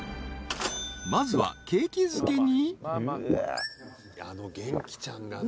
［まずは景気づけに］